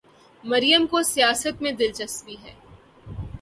مریم کو سیاست میں دلچسپی ہے۔